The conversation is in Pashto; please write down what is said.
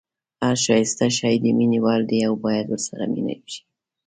هر ښایسته شی د مینې وړ دی او باید ورسره مینه وشي.